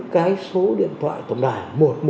cái số điện thoại tổng đài